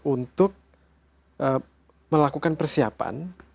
untuk melakukan persiapan